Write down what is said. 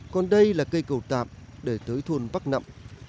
còn đây là cây cầu tạm để tới thôn bắc nậm